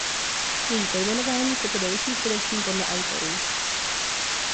Její pojmenování se tedy liší především podle autorů.